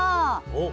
おっ。